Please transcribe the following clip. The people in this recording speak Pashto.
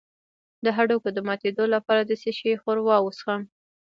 د هډوکو د ماتیدو لپاره د څه شي ښوروا وڅښم؟